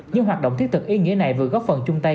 những hoạt động thiết thực ý nghĩa này vừa góp phần chung tay